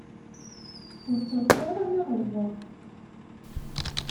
Ur ttaḍsa ara ma ɣelḍeɣ.